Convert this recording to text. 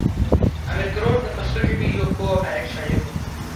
امیر کروړ د پښتو ژبې یو پوه او لایق شاعر و.